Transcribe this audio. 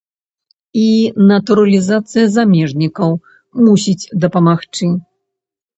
І натуралізацыя замежнікаў мусіць дапамагчы.